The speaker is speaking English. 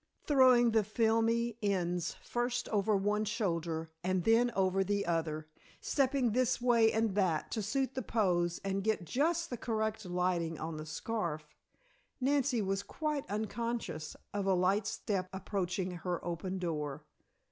Throwing the filmy ends first over one shoulder and then over the other, stepping this way and that to suit the pose and get just the correct lighting on the scarf, Nancy was quite unconscious of a light step approaching her open door.